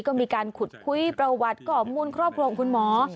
ก็มีการขุดคุยประวัติกรรมความมุมครอบครองคุณหมอ